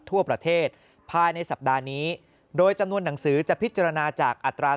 ทั่วประเทศภายในสัปดาห์นี้โดยจำนวนหนังสือจะพิจารณาจากอัตรา